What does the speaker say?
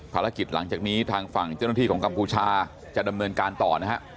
หลังจากนี้ทางฝั่งเจ้าหน้าที่ของกัมพูชาจะดำเนินการต่อนะฮะ